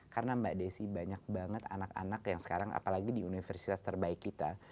karena mbak desy banyak banget anak anak yang sekarang apalagi di universitas terbaik kita